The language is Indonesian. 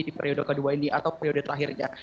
di periode kedua ini atau periode terakhirnya